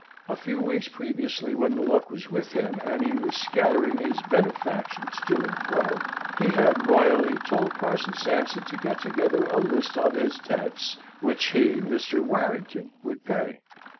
A few weeks previously when the luck was with him, and he was scattering his benefactions to and fro, he had royally told Parson Sampson to get together a list of his debts which he, Mr. Warrington, would pay.